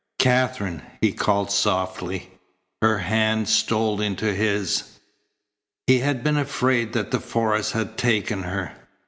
"Katherine," he called softly. Her hand stole into his. He had been afraid that the forest had taken her.